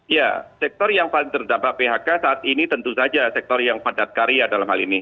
ya sektor yang paling terdampak phk saat ini tentu saja sektor yang padat karya dalam hal ini